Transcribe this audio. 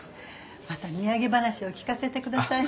また土産話を聞かせてください。